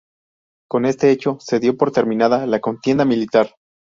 Con este hecho se dio por terminada la contienda militar.